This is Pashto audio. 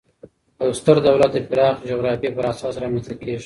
یو ستر دولت د پراخي جغرافیې پر اساس رامنځ ته کیږي.